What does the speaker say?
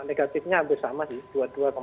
negatifnya hampir sama sih